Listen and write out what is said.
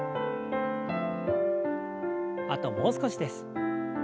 あともう少しです。